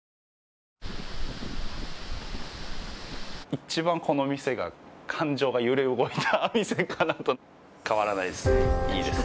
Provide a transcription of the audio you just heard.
一番この店が感情が揺れ動いた店かなと変わらないですねいいですね